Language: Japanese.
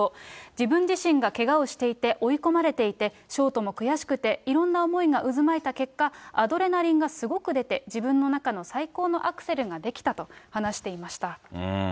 自分自身がけがをしていて追い込まれていて、ショーとも悔しくて、いろんな思いが渦巻いた結果、アドレナリンがすごく出て、自分の中の最高のアクセルができたと話していました。